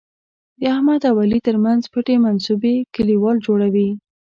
د احمد او علي تر منځ پټې منصوبې کلیوال جوړوي.